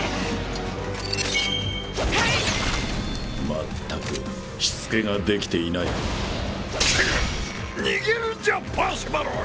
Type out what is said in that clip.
まったくしつけができていない逃げるんじゃパーシバル！